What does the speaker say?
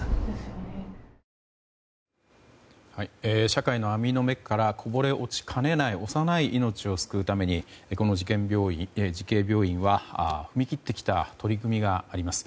社会の網の目からこぼれ落ちかねない幼い命を救うためにこの慈恵病院は踏み切ってきた取り組みがあります。